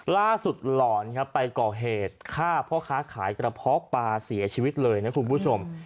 หลอนครับไปก่อเหตุฆ่าพ่อค้าขายกระเพาะปลาเสียชีวิตเลยนะคุณผู้ชม